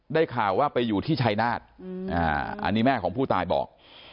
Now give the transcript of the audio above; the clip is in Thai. ข่าวว่าไปอยู่ที่ชายนาฏอันนี้แม่ของผู้ตายบอก